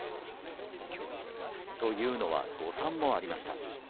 というのは誤算もありました。